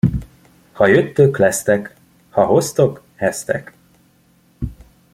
Ha jöttök, lesztek, ha hoztok, esztek.